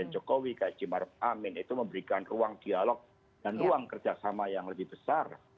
jokowi kaji maruf amin itu memberikan ruang dialog dan ruang kerjasama yang lebih besar